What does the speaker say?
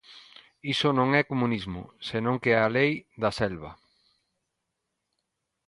Iso non é comunismo, senón que é a lei da selva.